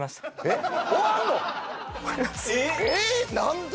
えっ何で？